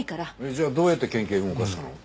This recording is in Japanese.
じゃあどうやって県警動かしたの？